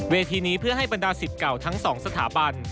เวทีนี้เพื่อให้บรรดาศิษย์เก่าทั้งสองสถาบัน